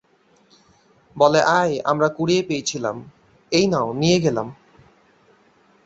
বলে আয়, আমরা কুড়িয়ে পেইছিলাম, এই নাও দিয়ে গেলাম।